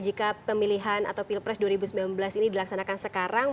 jika pemilihan atau pilpres dua ribu sembilan belas ini dilaksanakan sekarang